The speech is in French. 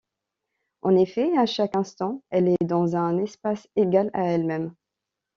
En effet, à chaque instant, elle est dans un espace égal à elle-même.